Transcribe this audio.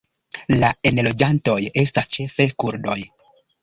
La enloĝantoj estas ĉefe kurdoj.